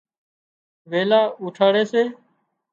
ويلان اُوٺاڙي سي